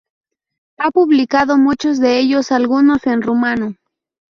Ha publicado muchos de ellos, algunos en rumano.